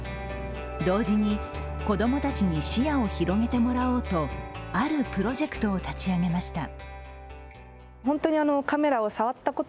同時に、子供たちに視野を広げてもらおうとあるプロジェクトを立ち上げました。